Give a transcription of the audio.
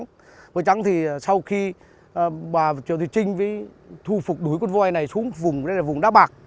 con voi trắng thì sau khi bà triệu thị trinh thu phục đuối con voi này xuống vùng đây là vùng đá bạc